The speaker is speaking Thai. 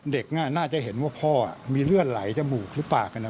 เด็กน่ะน่าจะเห็นว่าพ่ออ่ะมีเลือดไหลจมูกหรือปากน่ะ